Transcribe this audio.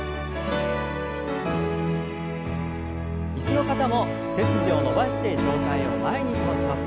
椅子の方も背筋を伸ばして上体を前に倒します。